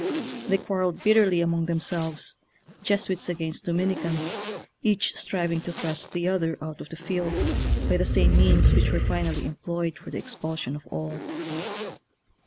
They quar relled bitterly among themselves, Jesuits against Dominicans, each striving to thrust the other out of the field by the same means which were finally employed for the expulsion of all.